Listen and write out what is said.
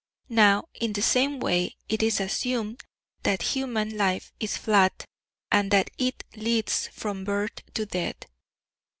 Now, in the same way, it is assumed that human life is flat and that it leads from birth to death.